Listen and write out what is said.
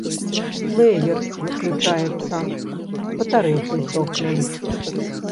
Плэер выключаецца, батарэйкі здохлі.